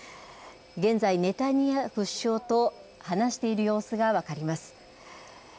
現在、ネタニヤフ首相と話している様子が分かります。